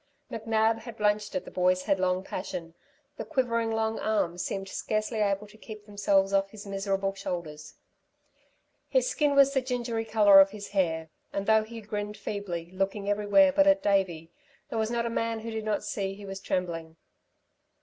McNab had blenched at the boy's headlong passion. The quivering long arms seemed scarcely able to keep themselves off his miserable shoulders. His skin was the gingery colour of his hair, and though he grinned feebly, looking everywhere but at Davey, there was not a man who did not see he was trembling.